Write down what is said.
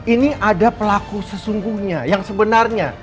ini ada pelaku sesungguhnya yang sebenarnya